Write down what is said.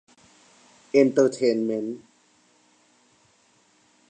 เอนเตอร์เทนเมนท์